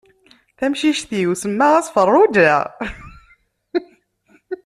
Tamcict-iw semmaɣ-as Farruǧa.